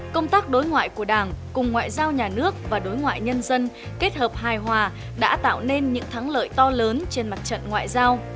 công tác đối ngoại của đảng cùng ngoại giao nhà nước và đối ngoại nhân dân kết hợp hài hòa đã tạo nên những thắng lợi to lớn trên mặt trận ngoại giao